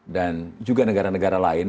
dan juga negara negara lain